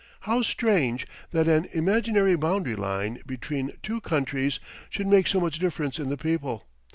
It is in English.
How strange that an imaginary boundary line between two countries should make so much difference in the people!